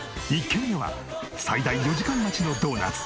１軒目は最大４時間待ちのドーナツ。